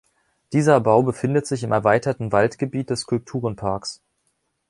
Dieser Bau befindet sich im erweiterten Waldgebiet des Skulpturenparks.